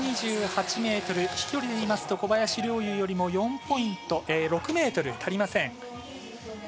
１２８ｍ飛距離でいいますと小林陵侑よりも４ポイント、６ｍ足りません。